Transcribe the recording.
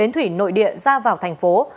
thủy nội địa ra vào thành phố